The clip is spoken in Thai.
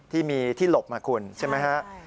ที่มีที่หลบมาคุณใช่ไหมฮะ